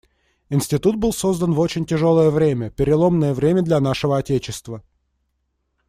Институт был создан в очень тяжелое время, переломное время для нашего отечества.